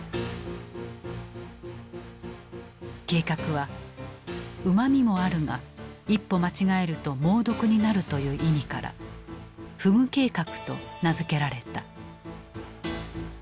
計画は「うまみもあるが一歩間違えると猛毒になる」という意味から河豚計画と名付けられた。